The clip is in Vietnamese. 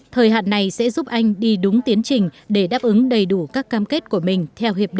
thời hạn này sẽ giúp anh đi đúng tiến trình để đáp ứng đầy đủ các cam kết của mình